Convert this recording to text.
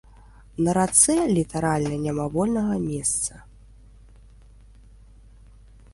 На рацэ літаральна няма вольнага месца.